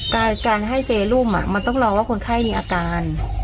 การให้เซรุมมันต้องรอว่าคนไข้มีอาการ